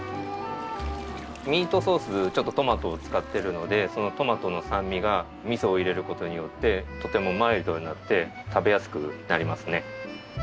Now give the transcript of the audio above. ミートソースちょっとトマトを使ってるのでそのトマトの酸味が味噌を入れる事によってとてもマイルドになって食べやすくなりますね。